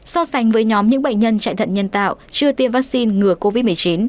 so sánh với nhóm những bệnh nhân chạy thận nhân tạo chưa tiêm vaccine ngừa covid một mươi chín